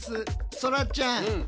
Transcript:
そらちゃん。